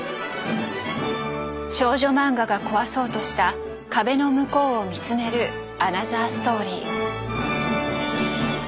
少女マンガが壊そうとした壁の向こうを見つめるアナザーストーリー。